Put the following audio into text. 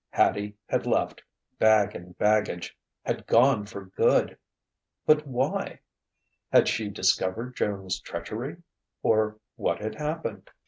Hattie had left, bag and baggage had gone for good! But why? Had she discovered Joan's treachery? Or what had happened?